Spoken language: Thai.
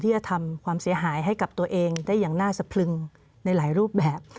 จะทำความเสียหายให้กับตัวเองได้อย่างน่าสะพรึงในหลายรูปแบบ